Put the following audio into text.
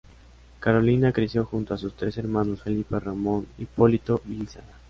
Carolina creció junto a sus tres hermanos Felipe, Ramón Hipólito y Lissa.